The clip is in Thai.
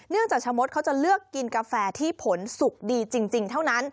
จากชะมดเขาจะเลือกกินกาแฟที่ผลสุกดีจริงเท่านั้น